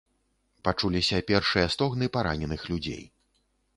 Пачуліся першыя стогны параненых людзей.